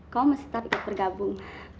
kau masih tak bergabung